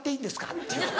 って。